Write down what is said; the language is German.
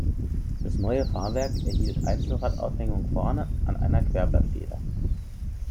Das neue Fahrwerk erhielt Einzelradaufhängung vorne an einer Querblattfeder.